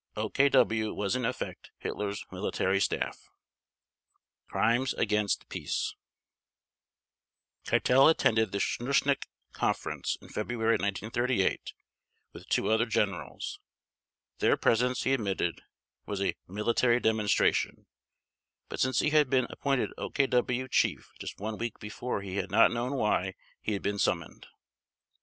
OKW was in effect Hitler's military staff. Crimes against Peace Keitel attended the Schuschnigg conference in February 1938 with two other generals. Their presence, he admitted, was a "military demonstration," but since he had been appointed OKW Chief just one week before he had not known why he had been summoned.